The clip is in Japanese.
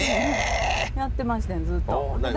やってましてん、ずっと。